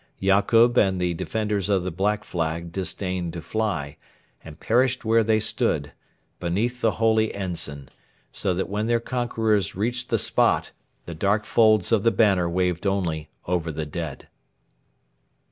Yakub and the defenders of the Black Flag disdained to fly, and perished where they stood, beneath the holy ensign, so that when their conquerors reached the spot the dark folds of the banner waved only over the dead.